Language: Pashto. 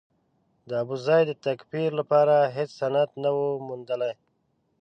د ابوزید د تکفیر لپاره هېڅ سند نه و موندلای.